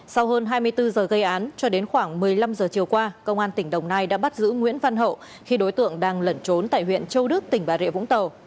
sau hơn hai mươi bốn giờ gây án cho đến khoảng một mươi năm giờ chiều qua công an tỉnh đồng nai đã bắt giữ nguyễn văn hậu khi đối tượng đang lẩn trốn tại huyện châu đức tỉnh bà rịa vũng tàu